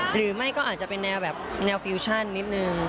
หรือไม่ก็อาจจะเป็นแนวแบบแนวฟิวชั่นนิดนึง